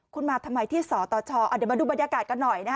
คุณมาทำไมที่สตชเดี๋ยวมาดูบรรยากาศกันหน่อยนะฮะ